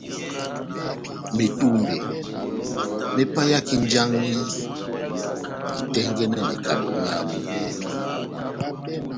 Metumbe me paiyaki njaŋhi itɛ́ngɛ́nɛ mekado myábu.